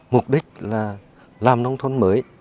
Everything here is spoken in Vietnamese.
mục đích là làm nông thôn mới